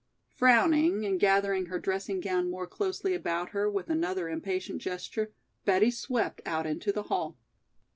Frowning and gathering her dressing gown more closely about her with another impatient gesture, Betty swept out into the hall.